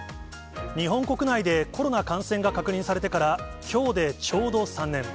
日本国内でコロナ感染が確認されてから、きょうでちょうど３年。